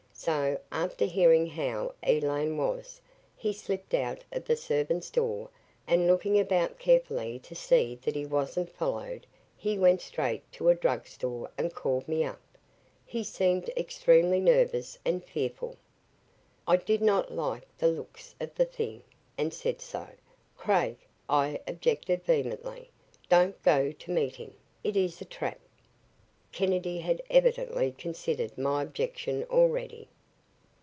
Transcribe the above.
So, after hearing how Elaine was, he slipped out of the servant's door and looking about carefully to see that he wasn't followed, he went straight to a drug store and called me up. He seemed extremely nervous and fearful." I did not like the looks of the thing, and said so. "Craig," I objected vehemently, "don't go to meet him. It is a trap." Kennedy had evidently considered my objection already.